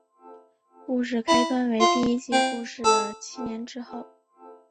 故事开端为第一季故事的七年之后。